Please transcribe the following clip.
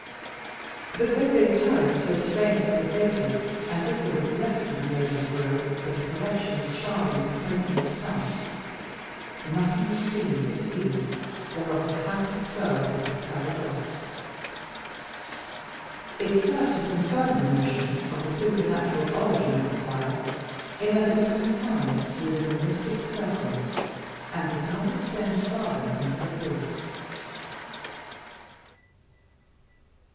But though they tarried till the flames had abated, and little was left of the noble grove but a collection of charred and smoking stumps, nothing was seen of the fiend or of the hapless girl he had carried off. It served to confirm the notion of the supernatural origin of the fire, in that it was confined within the mystic circle, and did not extend farther into the woods.